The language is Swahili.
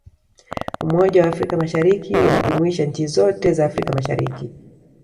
umoja wa afrika mashariki unajumuisha nchi zote za afrika mashariki